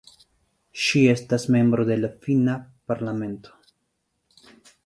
Ŝi estas membro de finna parlamento.